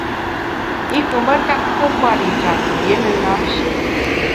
I nkù mbe ntap tuo kwer i njap, rié ne na-shi.